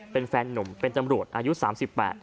เป็นแฟนหนุ่มเป็นจำรวจอายุ๓๘ปี